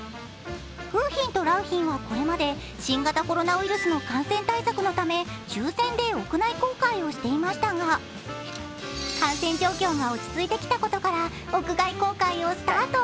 楓浜と良浜はこれまで新型コロナウイルスの感染対策のため抽選で屋内公開をしていましたが感染状況が落ち着いてきたことから屋外公開をスタート。